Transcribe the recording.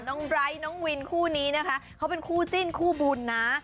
ไบร์ทน้องวินคู่นี้นะคะเขาเป็นคู่จิ้นคู่บุญนะ